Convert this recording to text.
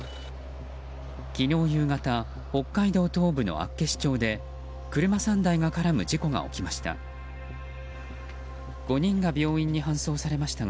昨日夕方、北海道東部の厚岸町で車３台が絡む事故が起きました。